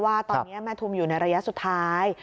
ว่าตอนนี้แม่ทุมอยู่ในระยะสุดท้าย